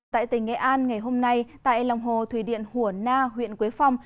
tại tỉnh nghệ an ngày hôm nay tại lòng hồ thủy điện hùa na huyện quế phong